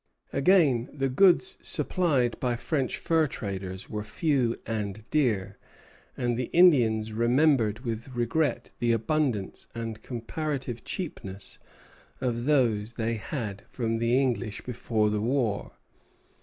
Again, the goods supplied by French fur traders were few and dear; and the Indians remembered with regret the abundance and comparative cheapness of those they had from the English before the war.